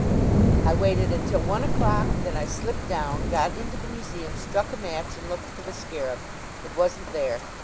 "I waited until one o'clock. Then I slipped down, got into the museum, struck a match, and looked for the scarab. It wasn't there.